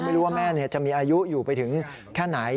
ไม่รู้ว่าแม่จะมีอายุอยู่ไปถึงแค่ไหน